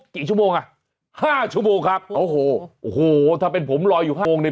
กี่ชั่วโมงอ่ะ๕ชั่วโมงครับโอ้โฮถ้าเป็นผมลอยอยู่๕ชั่วโมง